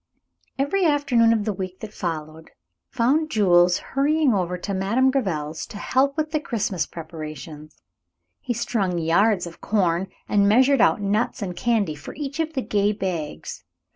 Every afternoon of the week that followed found Jules hurrying over to Madame Gréville's to help with the Christmas preparations. He strung yards of corn, and measured out the nuts and candy for each of the gay bags.